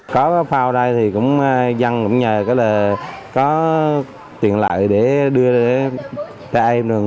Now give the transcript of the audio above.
có phao đây thì cũng dân cũng nhờ có tiền lợi để đưa ra em